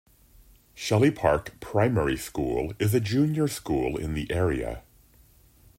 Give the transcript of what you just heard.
Shelly Park Primary School is a junior school in the area.